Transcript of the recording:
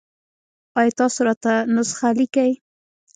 ایا تاسو راته نسخه لیکئ؟